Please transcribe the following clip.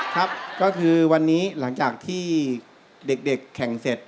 ครับก็คือวันนี้หลังจากที่เด็กแข่งเสร็จ